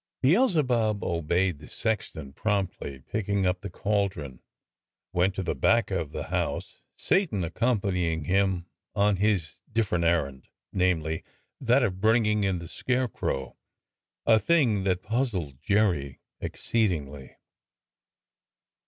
Beelzebub obeyed the sexton promptly and, picking up the cauldron, wxnt to the back of the house, Satan accompanying him on his different errand — namely, that of bringing in the scarecrow, a thing that puzzled Jerry exceedingly.